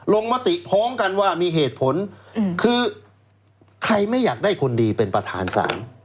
มติพร้อมกันว่ามีเหตุผลคือใครไม่อยากได้คนดีเป็นประธานศาล